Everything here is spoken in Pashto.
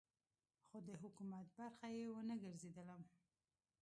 خو د حکومت برخه یې ونه ګرځېدلم.